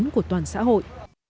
của toàn xã hội